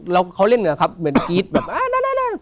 แล้วเขาเล่นเหนือครับเหมือนกรี๊ดแบบอ่านั่น